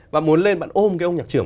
và muốn lên bạn ôm cái ông nhạc trưởng